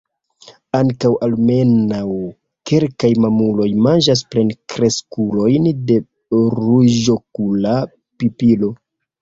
Ankaŭ almenaŭ kelkaj mamuloj manĝas plenkreskulojn de Ruĝokula pipilo.